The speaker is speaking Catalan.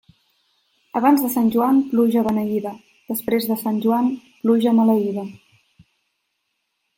Abans de Sant Joan, pluja beneïda; després de Sant Joan, pluja maleïda.